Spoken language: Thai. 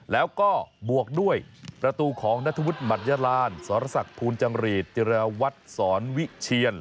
แล้วก็บวกด้วยประตูของนัทธวุธมัดยราณสรษะภูนย์จังหรีจิรวรรย์วัดสอนวิเชียน